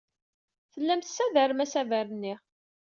Tellam tessadarem asaber-nni.